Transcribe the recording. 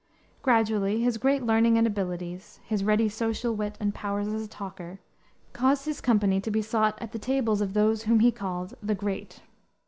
Gradually his great learning and abilities, his ready social wit and powers as a talker, caused his company to be sought at the tables of those whom he called "the great."